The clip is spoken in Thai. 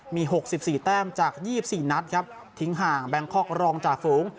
มีหกสิบสี่แต้มจากยี่สิบสี่นัดครับทิ้งห่างแบงคอกรองจาฟูง